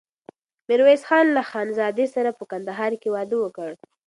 ميرويس خان له خانزادې سره په کندهار کې واده وکړ.